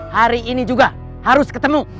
hari ini juga harus ketemu